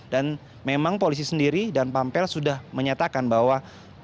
dan memang polisi sendiri dan pampel sudah menyatakan bahwa